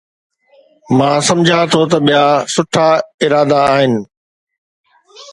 مان سمجهان ٿو ته ٻيا سٺا ارادا آهن